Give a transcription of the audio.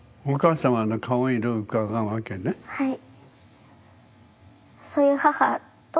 はい。